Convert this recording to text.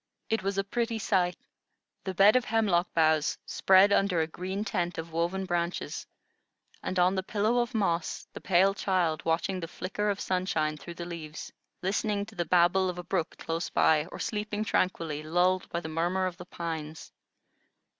It was a pretty sight, the bed of hemlock boughs spread under a green tent of woven branches, and on the pillow of moss the pale child watching the flicker of sunshine through the leaves, listening to the babble of a brook close by, or sleeping tranquilly, lulled by the murmur of the pines.